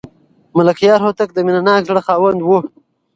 ملکیار هوتک د مینه ناک زړه خاوند و.